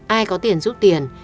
ai có tiền giúp tiền